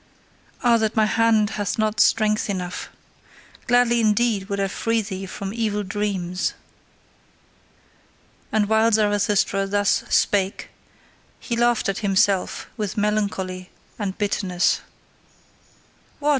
Ah, that my hand hath not strength enough! Gladly, indeed, would I free thee from evil dreams! And while Zarathustra thus spake, he laughed at himself with melancholy and bitterness. What!